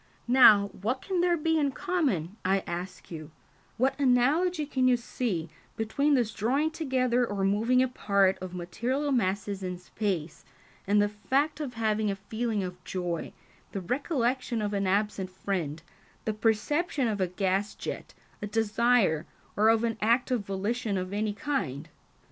Now, what can there be in common, I ask you, what analogy can you see, between this drawing together or moving apart of material masses in space, and the fact of having a feeling of joy, the recollection of an absent friend, the perception of a gas jet, a desire, or of an act of volition of any kind?"